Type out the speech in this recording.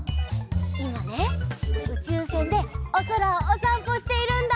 いまねうちゅうせんでおそらをおさんぽしているんだ。